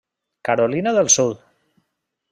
Carolina del Sud.